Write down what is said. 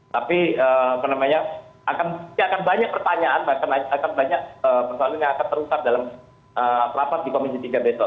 tapi apa namanya akan banyak pertanyaan akan banyak persoalan yang akan terus terdalam rapat di komisi tiga besok